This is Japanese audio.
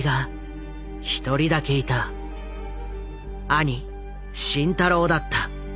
兄慎太郎だった。